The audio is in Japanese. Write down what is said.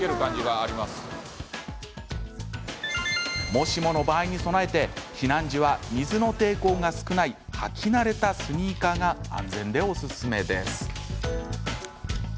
もしもの場合に備えて避難時は水の抵抗が少ない履き慣れたスニーカーが安全でおすすめです。